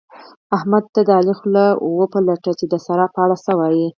احمده! ته د علي خوله وپلټه چې د سارا په اړه څه وايي؟